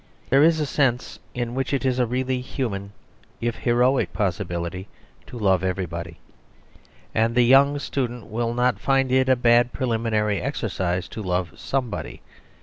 There is a sense in which it is really a human if heroic possibility to love everybody; and the young student will not find it a bad preliminary exercise to love somebody.